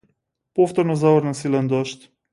Повторно заврна силен дожд.